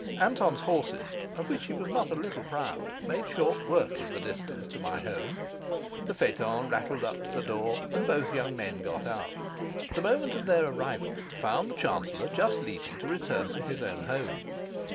Anton's horses, of which he was not a little proud, made short work of the distance to my home. The phaeton rattled up to the door and both young men got out. The moment of their arrival found the chancellor just leaving to return to his own home.